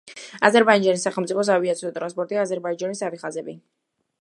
აზერბაიჯანის სახელმწიფო საავიაციო ტრანსპორტია აზერბაიჯანის ავიახაზები.